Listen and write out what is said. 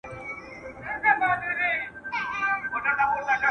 یاغي بنده یم د خلوت زولنې چېرته منم `